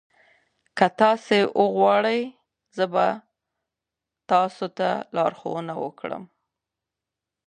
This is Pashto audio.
که تاسي وغواړئ زه به تاسي ته لارښوونه وکړم.